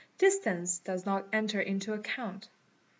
Distance does not enter into account.